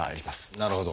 なるほど。